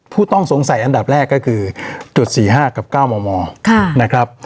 ผู้ต้องสงสัยอันดับแรกก็คือจุด๔๕กับ๙มมนะครับ